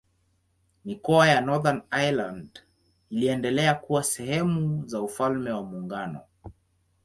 Mikoa ya Northern Ireland iliendelea kuwa sehemu za Ufalme wa Muungano.